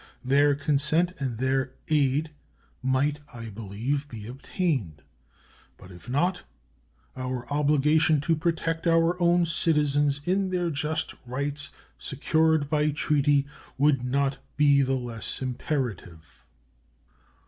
Their consent and their aid might, I believe, be obtained; but if not, our obligation to protect our own citizens in their just rights secured by treaty would not be the less imperative.